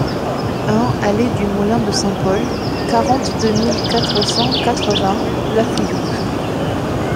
un allée du Moulin de Saint-Paul, quarante-deux mille quatre cent quatre-vingts La Fouillouse